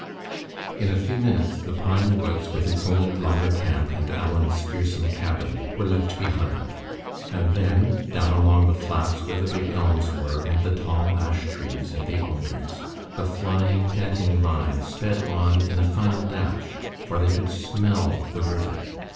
In a few minutes the pine woods, with its old Lumber Camp and Alan's fearsome cabin, were left behind; and then down along the flats where the big elms were, and the tall ash trees, and the alders, the flying, panting line sped on in a final dash, for they could smell the river.